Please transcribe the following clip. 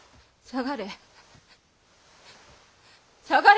下がれ。